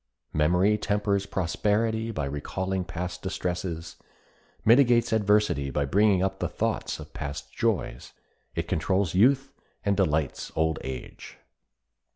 Memory tempers prosperity by recalling past distresses, mitigates adversity by bringing up the thoughts of past joys, it controls youth and delights old age.